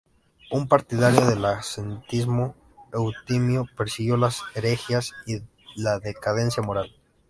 Un partidario del ascetismo, Eutimio persiguió las herejías y la decadencia moral.